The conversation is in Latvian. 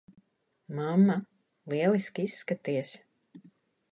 Mamma, lieliski izskaties.